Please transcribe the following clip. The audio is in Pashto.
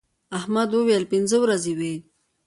احمد وويل: پینځه ورځې وې.